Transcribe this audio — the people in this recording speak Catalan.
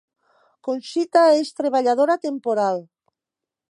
Conxita és treballadora temporal